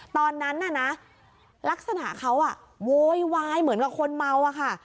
ตอนนั้นน่ะนะลักษณะเขาโวยวายเหมือนกับคนเมาอะค่ะ